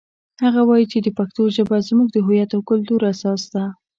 هغه وایي چې د پښتو ژبه زموږ د هویت او کلتور اساس ده